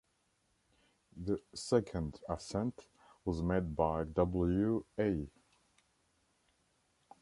The second ascent was made by W. A.